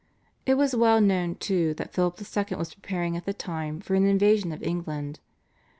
It was well known, too, that Philip II. was preparing at the time for an invasion of England.